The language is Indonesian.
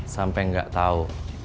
sampai gak tau